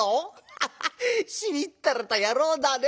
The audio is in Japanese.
ハハッしみったれた野郎だね。